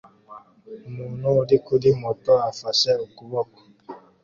Umuntu uri kuri moto afashe ukuboko